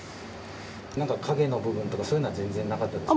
なんか陰の部分とかそういうのは全然なかったですか？